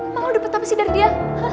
mama dapet apa sih dari dia